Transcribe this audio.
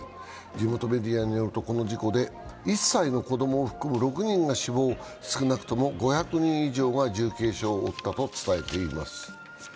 地元メディアによると、この事故で１歳の子どもを含む６人が負傷、少なくとも５００人以上が重軽傷を負ったと伝えています。